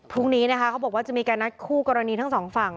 พรุ่งนี้นะคะเขาบอกว่าจะมีการนัดคู่กรณีทั้งสองฝั่ง